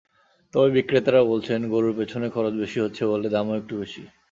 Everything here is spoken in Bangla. তবে বিক্রেতারা বলছেন, গরুর পেছনে খরচ বেশি হচ্ছে বলে দামও একটু বেশি।